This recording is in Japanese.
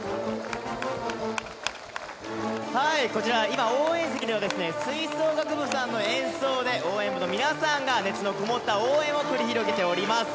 こちら、今、応援席では吹奏楽部さんの演奏で応援部の皆さんが熱の込もった応援を繰り広げております。